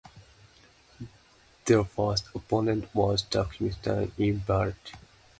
Their first opponent was Turkmenistan in Beirut.